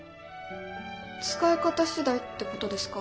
使い方次第ってことですか？